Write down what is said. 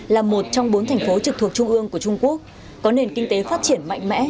là một trong bốn thành phố trực thuộc trung ương của trung quốc có nền kinh tế phát triển mạnh mẽ